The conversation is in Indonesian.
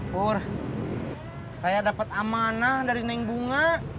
pur saya dapat amanah dari neng bunga